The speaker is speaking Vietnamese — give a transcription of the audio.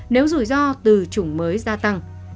nếu rủi ro từ chủng mới gia tăng